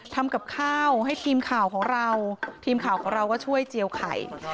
ทำกับข้าวให้ทีมข่าวของเราทีมข่าวของเราก็ช่วยเจียวไข่